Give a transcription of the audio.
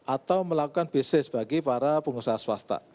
atau melakukan bisnis bagi para pengusaha swasta